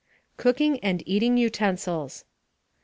COOKING AND EATING UTENSILS.